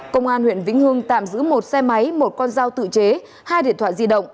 công an huyện vĩnh hương tạm giữ một xe máy một con dao tự chế hai điện thoại di động